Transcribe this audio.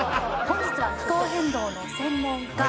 本日は気候変動の専門家